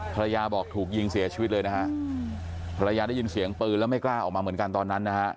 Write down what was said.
ภรรยาบอกถูกยิงเสียชีวิตเลยนะฮะภรรยาได้ยินเสียงปืนแล้วไม่กล้าออกมาเหมือนกันตอนนั้นนะฮะ